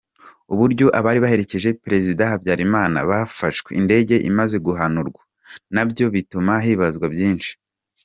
Uburyo abari baherekeje Perezida Habyalimana bafashwe indege imaze guhanurwa nabyo bituma hibazwa byinshi!